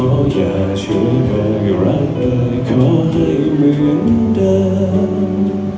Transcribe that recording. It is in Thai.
ขออย่าช่วยกับรักเลยขอให้เหมือนเดิม